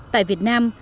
tại việt nam